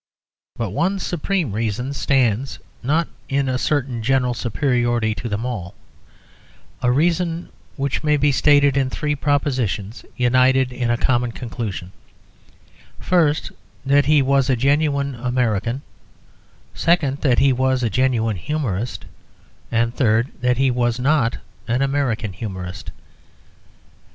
But one supreme reason stands not in a certain general superiority to them all a reason which may be stated in three propositions united in a common conclusion: first, that he was a genuine American; second, that he was a genuine humourist; and, third, that he was not an American humourist.